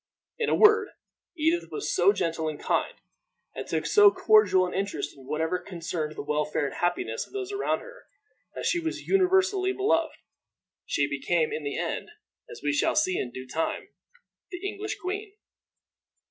In a word, Edith was so gentle and kind, and took so cordial an interest in whatever concerned the welfare and happiness of those around her, that she was universally beloved. She became in the end, as we shall see in due time, the English queen.